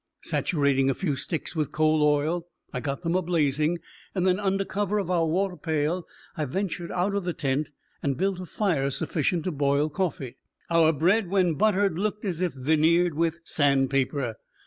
Saturating a few sticks with coal oil, I got them a blazing, and then under cover of our water pail I ventured out of the tent and built a fire sufficient to boil coffee. Our bread when buttered looked as if veneered with sand paper.